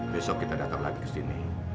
besok kita datang lagi ke sini